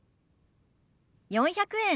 ４００円。